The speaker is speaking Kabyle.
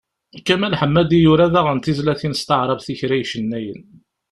Kamal Ḥemmadi yura daɣen tizlatin s taɛrabt i kra icennayen.